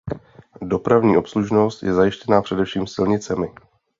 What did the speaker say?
Dopravní obslužnost je zajištěna především silnicemi.